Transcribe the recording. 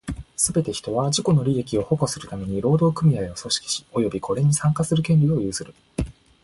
すべて人は、自己の利益を保護するために労働組合を組織し、及びこれに参加する権利を有する。